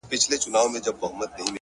• زرکي وویل پر ما باندي قیامت وو ,